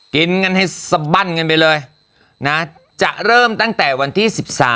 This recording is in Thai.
กินกันให้สบั้นกันไปเลยนะจะเริ่มตั้งแต่วันที่๑๓